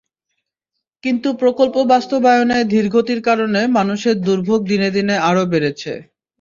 কিন্তু প্রকল্প বাস্তবায়নে ধীর গতির কারণে মানুষের দুর্ভোগ দিনে দিনে আরও বেড়েছে।